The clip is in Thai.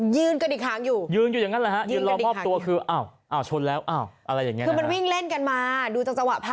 ยืนกันอีกครั้งอยู่